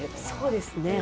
「そうですね」